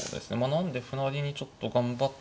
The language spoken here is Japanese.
なんで歩成りにちょっと頑張っ。